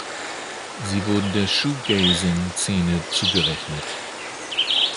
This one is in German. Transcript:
Sie wurden der Shoegazing-Szene zugerechnet.